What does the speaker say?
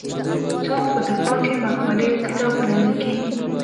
څوک په دفاع کې مقالې او کتابونه لیکي.